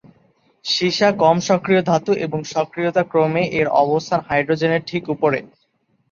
সীসা কম সক্রিয় ধাতু এবং সক্রিয়তা ক্রমে এর অবস্থান হাইড্রোজেনের ঠিক উপরে।